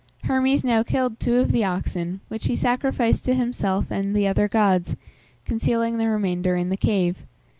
Hermes now killed two of the oxen, which he sacrificed to himself and the other gods, concealing the remainder in the cave.